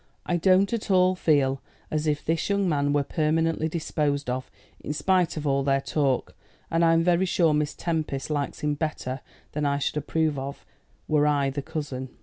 I don't at all feel as if this young man were permanently disposed of, in spite of all their talk; and I'm very sure Miss Tempest likes him better than I should approve of were I the cousin."